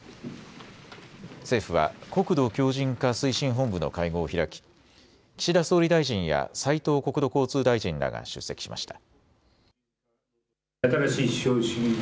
政府は国土強じん化推進本部の会合を開き岸田総理大臣や斉藤国土交通大臣らが出席しました。